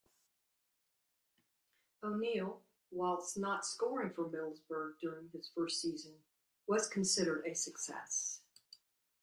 O'Neil, whilst not scoring for Middlesbrough during his first season, was considered a success.